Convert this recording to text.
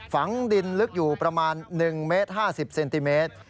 ฝังดินลึกอยู่ประมาณ๑เมตร๕๐เซนติเมตร